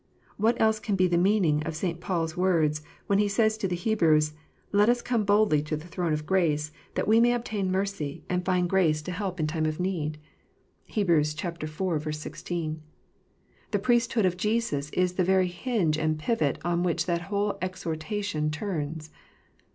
What else can be the meaning of St. Paul s words, when he says to the Hebrews, "Let us come boldly to the throne of grace, that we may obtain mercy and find grace to 250 KNOTS UNTIED. help in time of need " 1 (Heb. iv. 16.) The Priesthood of Jesus is the very hinge and pivot on which that whole exhortation turns.